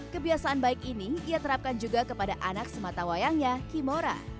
kebiasaan baik ini ia terapkan juga kepada anak sematawayangnya kimora